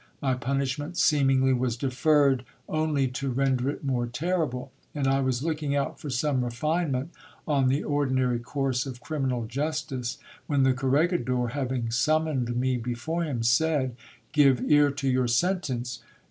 My punishment seemingly was deferred only to render it more terrible ; and I was looking out for some refinement on the ordinary course of criminal justice, when the corregidor, b^ing summoned me before him, said : Give ear to your sentence.